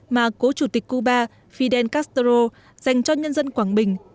mà cố chủ tịch cuba fidel castro dành cho nhân dân quảng bình